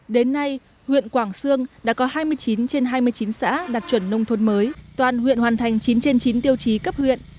đến nay huyện quảng sương đã có hai mươi chín trên hai mươi chín xã đạt chuẩn nông thôn mới toàn huyện hoàn thành chín trên chín tiêu chí cấp huyện